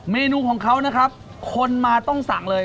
เมนูของเขานะครับคนมาต้องสั่งเลย